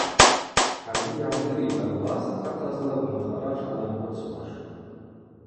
Хӏаргьи йыгӏдыритӏ авласт хӏыхъазла гвымхара шгӏанамхъвыцуаш.